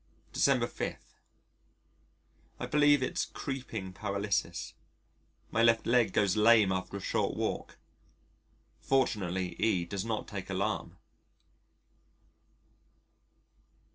December 5. I believe it's creeping paralysis. My left leg goes lame after a short walk. Fortunately E does not take alarm.